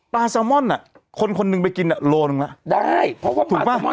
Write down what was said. ปลาซาวม่อนน่ะคนคนหนึ่งไปกินอ่ะโลนึงล่ะได้เพราะว่าปลาซาวม่อน